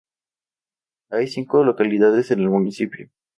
Hay cinco localidades en el municipio.